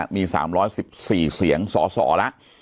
มี๓๑๔เสียงสสละ